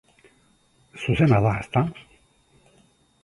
Zuzena da, ezta?